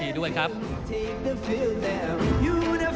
ท่านแรกครับจันทรุ่ม